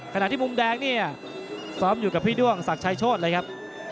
ขณะที่มุมแดงเนี่ยซ้อมอยู่กับพี่ด้วงศักดิ์ชายโชธเลยครับ